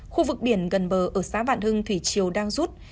khu vực biển gần bờ ở xã vạn hưng thủy chiều đang rút